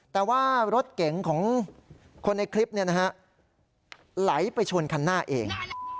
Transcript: แต่ว่ารถเก๋งของคนในคลิปไหลไปชนคันหน้าเอง